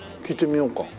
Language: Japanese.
聞いてみようか。